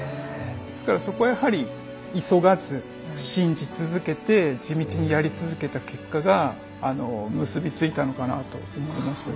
ですからそこはやはり急がず信じ続けて地道にやり続けた結果が結び付いたのかなと思います。